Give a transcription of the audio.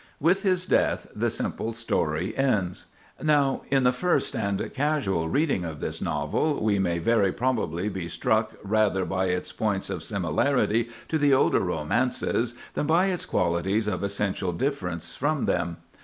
With his death, the simple story ends. Now, in the first and casual reading of this novel, we may very probably be struck rather by its points of similarity to the older romances than by its qualities of essential difference from them.